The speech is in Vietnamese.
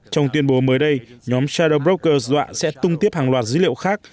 trong tuyên bố mới đây nhóm shadow brokers đoạn sẽ tung tiếp hàng loạt dữ liệu khác